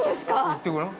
行ってごらん。